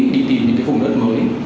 đi tìm những cái vùng đất mới